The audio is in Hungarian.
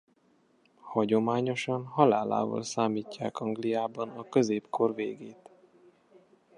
Hagyományosan halálával számítják Angliában a középkor végét.